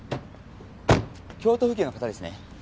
京都府警の方ですね。